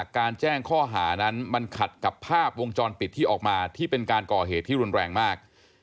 แจ้งข้อหานั้นมันขัดกับภาพวงจรปิดที่ออกมาที่เป็นการก่อเหตุที่รุนแรงมาก